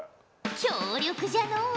強力じゃのう！